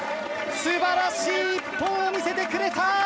すばらしい一本を見せてくれた。